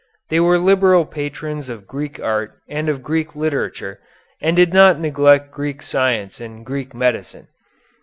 They were liberal patrons of Greek art and of Greek literature, and did not neglect Greek science and Greek medicine.